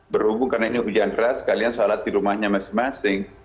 berhubung karena ini hujan deras kalian sholat di rumahnya masing masing